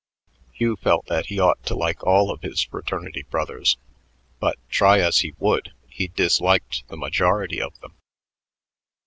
Hugh felt that he ought to like all of his fraternity brothers, but, try as he would, he disliked the majority of them.